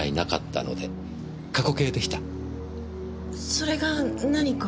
それが何か？